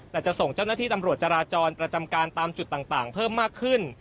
แต่จะส่งเจ้าหน้าที่ตำรวจจราจรประจำการตามจุดต่างเพิ่มมากขึ้น